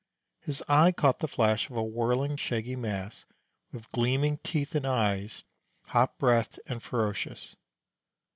His eye caught the flash of a whirling, shaggy mass, with gleaming teeth and eyes, hot breathed and ferocious.